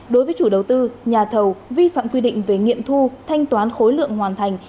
đối với chủ đầu tư nhà thầu vi phạm quy định về nghiệm thu thanh toán khối lượng hoàn thành